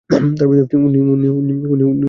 উনি তোমার মা!